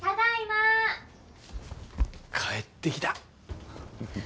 帰ってきた。